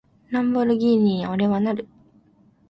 ランボルギーニに、俺はなる！